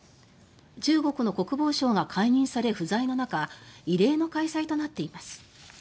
中国の国防相が解任され不在の中異例の開催となっています。